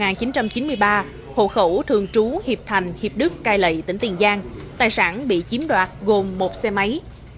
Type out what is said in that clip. năm một nghìn chín trăm chín mươi ba hộ khẩu thường trú hiệp thành hiệp đức cai lậy tỉnh tiền giang tài sản bị chiếm đoạt gồm một xe máy